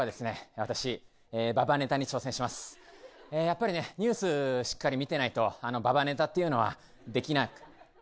やっぱりねニュースしっかり見てないとババネタっていうのはできな。